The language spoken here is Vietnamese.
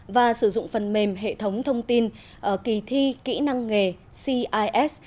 và sử dụng phần mềm hệ thống thông tin kỳ thi kỹ năng nghề cis